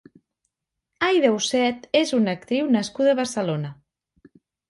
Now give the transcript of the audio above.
Aida Oset és una actriu nascuda a Barcelona.